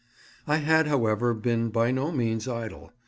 I had, however, been by no means idle.